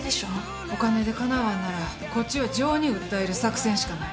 お金でかなわんならこっちは情に訴える作戦しかない。